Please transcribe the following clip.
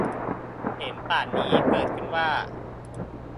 เห็นปานนี้เกิดขึ้นว่า